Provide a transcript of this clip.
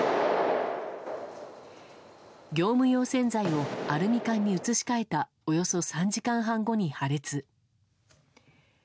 業務用洗剤をアルミ缶に移し替えたおよそ３時間半後に破裂。